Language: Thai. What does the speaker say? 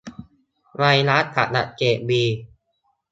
ไวรัสตับอักเสบบี